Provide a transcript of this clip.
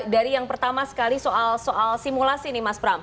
dari yang pertama sekali soal simulasi nih mas pram